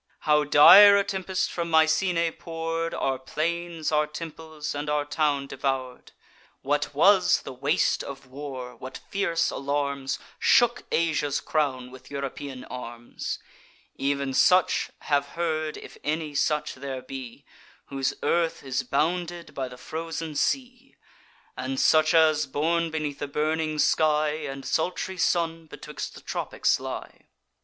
How dire a tempest, from Mycenae pour'd, Our plains, our temples, and our town devour'd; What was the waste of war, what fierce alarms Shook Asia's crown with European arms; Ev'n such have heard, if any such there be, Whose earth is bounded by the frozen sea; And such as, born beneath the burning sky And sultry sun, betwixt the tropics lie.